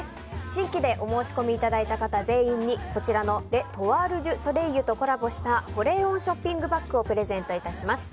新規でお申し込みいただいた方全員に、こちらのレ・トワール・デュ・ソレイユとコラボした保冷温ショッピングバッグをプレゼント致します。